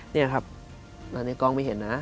นี่ครับแล้วนี่กล้องไม่เห็นนะ